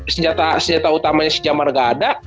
senjata senjata utamanya si jamar gak ada